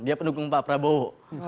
dia pendukung pak prabowo